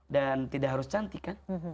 dan tidak harus cantik kan